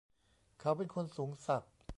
เขาเป็นคนสูงศักดิ์